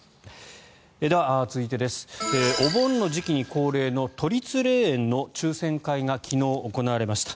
では続いてお盆の時期に恒例の都立霊園の抽選会が昨日行われました。